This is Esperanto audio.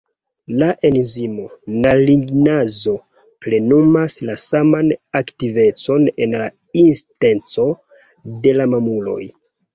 La enzimo "naringinazo" plenumas la saman aktivecon en la intesto de la mamuloj.